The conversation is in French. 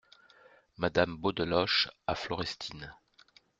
Madame Beaudeloche , à Florestine.